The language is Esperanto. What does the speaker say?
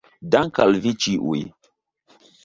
Dank' al vi ĉiuj